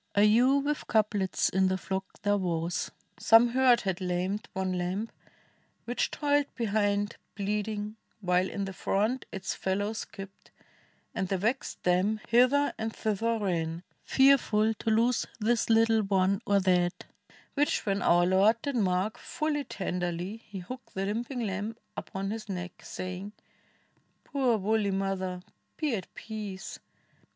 A ewe "v^dth couplets in the flock there was. Some hurt had lamed one lamb, which toiled behind Bleeding, while in the front its fellow skipped, And the vexed dam hither and thither ran, Fearful to lose this little one or that; Which when our Lord did mark, full tenderly He took the limping lamb upon his neck, Sa}dng, "Poor woolly mother, be at peace!